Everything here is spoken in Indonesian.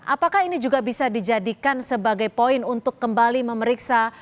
apakah ini juga bisa dijadikan sebagai poin untuk kembali memeriksa